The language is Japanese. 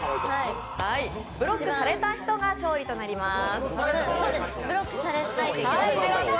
ブロックされた人が勝利となります。